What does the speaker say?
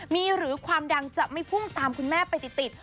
มีหรือความดังจะไม่พุ่งตามคุณแม่ไปติด